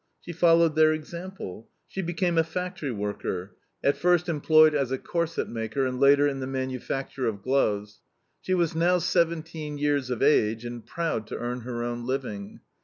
She followed their example. She became a factory worker; at first employed as a corset maker, and later in the manufacture of gloves. She was now 17 years of age and proud to earn her own living.